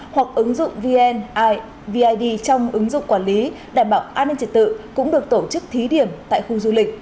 hoặc ứng dụng vnid trong ứng dụng quản lý đảm bảo an ninh trật tự cũng được tổ chức thí điểm tại khu du lịch